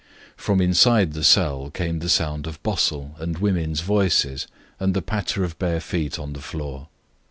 From inside the cell came the sound of bustle and women's voices, and the patter of bare feet on the floor.